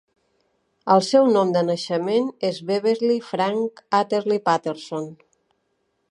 El seu nom de naixement és Beverley Frank Atherly Patterson.